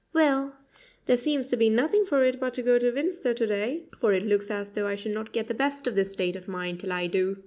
Well, there seems to be nothing for it but to go to Windsor to day, for it looks as though I should not get the best of this state of mind till I do."